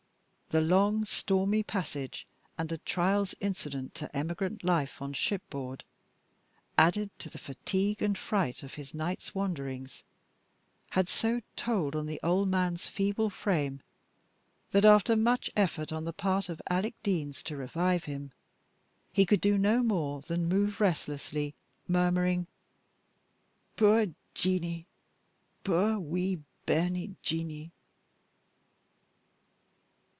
The long stormy passage, and the trials incident to emigrant life on shipboard, added to the fatigue and fright of his night's wanderings, had so told on the old man's feeble frame, that after much effort on the part of Alec Deans to revive him, he could do no more than move restlessly, murmuring, "Puir Jeanie! Puir wee bairnie Jeanie!"